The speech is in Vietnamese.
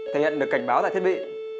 thể hiện được cảnh báo tại thiết bị